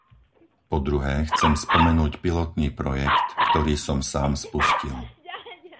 Po druhé, chcem spomenúť pilotný projekt, ktorý som sám spustil.